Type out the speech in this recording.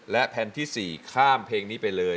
และแผ่นที่๔ข้ามเพลงนี้ไปเลย